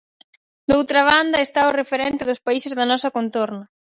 Doutra banda está o referente dos países da nosa contorna.